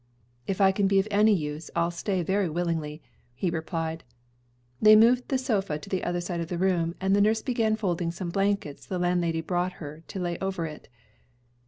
"If I can be of any use, I'll stay very willingly," he replied. They moved the sofa to the other side of the room, and the nurse began folding some blankets the landlady brought her to lay over it.